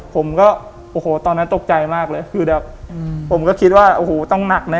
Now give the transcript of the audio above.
ผมก็โอ้โหตอนนั้นตกใจมากเลยคือแบบผมก็คิดว่าโอ้โหต้องหนักนะ